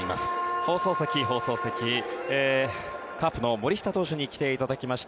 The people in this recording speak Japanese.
放送席、放送席カープの森下投手に来ていただきました。